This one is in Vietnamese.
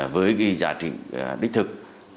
với giá trị đích thực